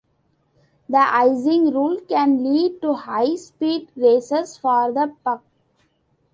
The icing rule can lead to high-speed races for the puck.